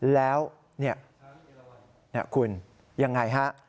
แล้วคุณอย่างไรฮะ